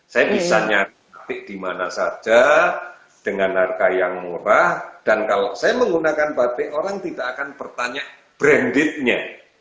saya bisa nyari batik dimana saja dengan harga yang murah dan kalau saya menggunakan batik orang tidak akan bertanya brandednya